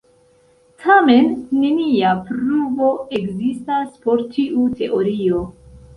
Tamen nenia pruvo ekzistas por tiu teorio.